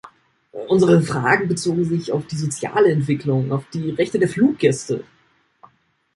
Unsere Fragen bezogen sich auf die soziale Entwicklung, auf die Rechte der Fluggäste.